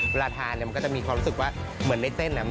เวลาทานก็จะมีความรู้สึกว่าเหมือนได้เส้นน่ะ